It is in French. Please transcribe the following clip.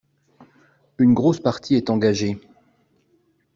Une grosse partie est engagée.